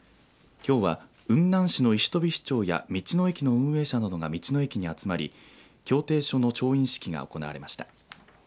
きょうは雲南市の石飛市長や道の駅の運営者などが道の駅に集まり協定書の調印式が行われました。